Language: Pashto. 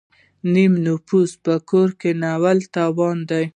نیم نفوس په کور کینول تاوان دی.